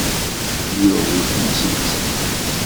Yuɣ uletma-s netta.